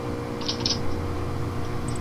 هره پیړۍ کې لږ تر لږه درې سوپرنووا پېښیږي.